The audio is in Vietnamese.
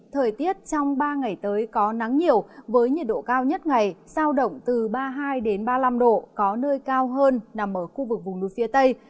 thời tiết trong ba ngày tới có nắng nhiều với nhiệt độ cao nhất ngày sao động từ ba mươi hai ba mươi năm độ có nơi cao hơn nằm ở khu vực vùng núi phía tây